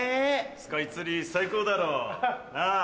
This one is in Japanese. スカイツリー最高だろ？なぁ。